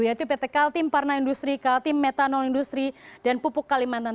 yaitu pt kaltim parna industri kaltim metanol industri dan pupuk kalimantan